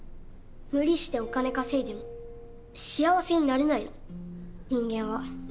無理してお金稼いでも幸せになれないの人間は。